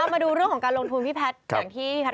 มาดูเรื่องของการลงทุนพี่แพทย์